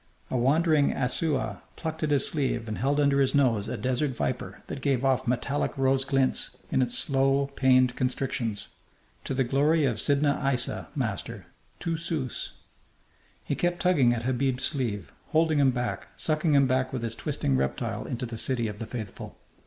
A wandering Aissaoua plucked at his sleeve and held under his nose a desert viper that gave off metallic rose glints in its slow, pained constrictions. "To the glory of Sidna Aissa, master, two sous." He kept tugging at Habib's sleeve, holding him back, sucking him back with his twisting reptile into the city of the faithful.